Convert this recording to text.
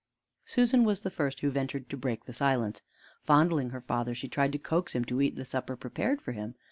Susan was the first who ventured to break the silence. Fondling her father, she tried to coax him to eat the supper prepared for him.